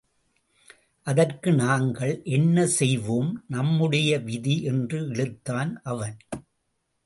அதற்கு நாங்கள் என்ன செய்வோம் நம்முடைய விதி என்று இழுத்தான் அவன்.